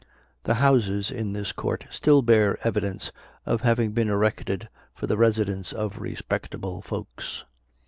The houses in this court still bear evidence of having been erected for the residence of respectable folks.